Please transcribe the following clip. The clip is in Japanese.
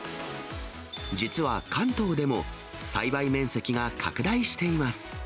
実は関東でも、栽培面積が拡大しています。